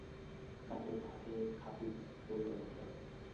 কাজেই তাঁহাকে খাতিব করিয়া বসাইল।